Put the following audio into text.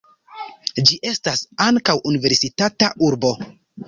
Ĝi estas ankaŭ universitata urbo.